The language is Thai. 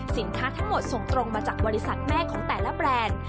ทั้งหมดส่งตรงมาจากบริษัทแม่ของแต่ละแบรนด์